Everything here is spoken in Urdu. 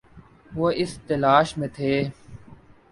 وہ اس تلاش میں تھے